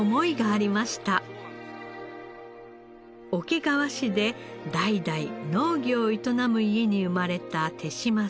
桶川市で代々農業を営む家に生まれた手島さん。